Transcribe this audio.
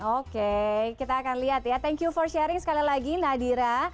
oke kita akan lihat ya thank you for sharing sekali lagi nadira